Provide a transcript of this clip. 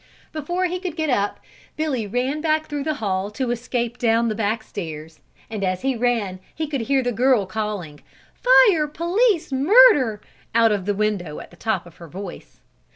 Before he could get up, Billy ran back through the hall to escape down the back stairs and as he ran he could hear the girl calling: "Fire! police! murder!" out of the window at the top of her voice.